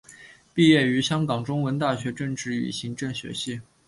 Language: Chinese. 毕业于香港中文大学政治与行政学系。